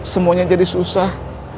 semuanya jadi susah